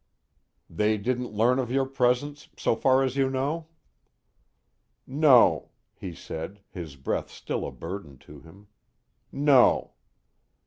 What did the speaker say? "They didn't learn of your presence, so far as you know?" "No," he said, his breath still a burden to him. "No."